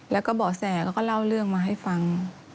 แล้วก็บอกแส่แล้วก็เล่าเรื่องมาให้ฟัง